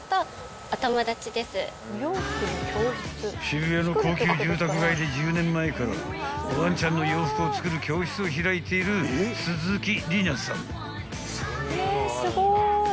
［渋谷の高級住宅街で１０年前からワンちゃんの洋服を作る教室を開いている鈴木利奈さん］